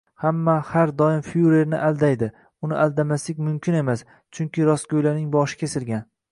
Hamma har doim fyurerni aldaydi, uni aldamaslik mumkin emas, chunki rostgo'ylarning boshi kesilgan